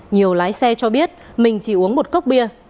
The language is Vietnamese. nhiều lái xe cho biết mình chỉ uống một cốc bia